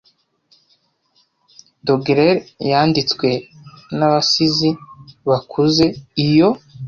Doggerel yanditswe nabasizi bakuze iyo